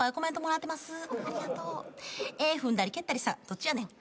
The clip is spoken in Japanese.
どっちやねん。